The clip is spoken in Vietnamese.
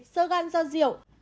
sơ gan do diệu